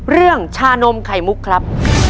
เรื่องชานมไข่มุกครับ